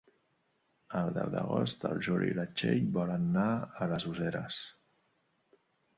El deu d'agost en Juli i na Txell volen anar a les Useres.